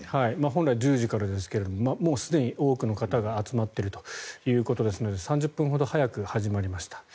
本来、１０時からですがすでに多くの方が集まっているということですので３０分ほど早く始まりました。